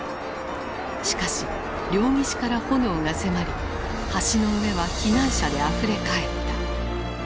しかし両岸から炎が迫り橋の上は避難者であふれ返った。